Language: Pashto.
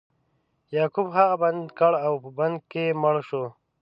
یعقوب هغه بندي کړ او په بند کې مړ شو.